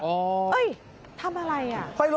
เอ้ยทำอะไรอ่ะ